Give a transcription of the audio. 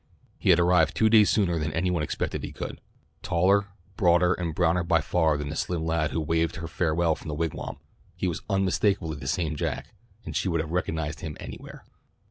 He had arrived two days sooner than any one expected he could. Taller, broader and browner by far than the slim lad who waved her farewell from the Wigwam, he was unmistakably the same Jack, and she would have recognized him anywhere.